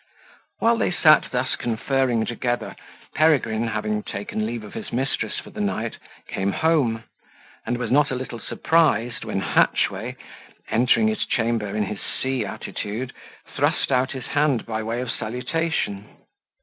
While they sat thus conferring together, Peregrine, having taken leave of his mistress for the night, came home, and was not a little surprised, when Hatchway, entering his chamber in his sea attitude, thrust out his hand by way of salutation.